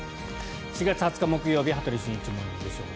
４月２０日、木曜日「羽鳥慎一モーニングショー」。